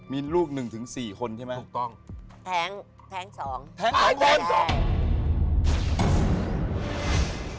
มีลูก๑ถึง๔คนใช่ไหม